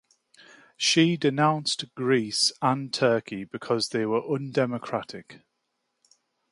She denounced Greece and Turkey because they were undemocratic.